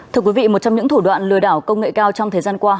thưa quý vị một trong những thủ đoạn lừa đảo công nghệ cao trong thời gian qua